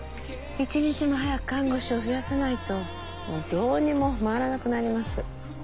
一日も早く看護師を増やさないともうどうにも回らなくなります。